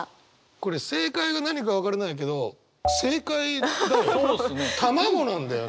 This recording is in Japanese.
これ正解が何か分からないけど正解だよ。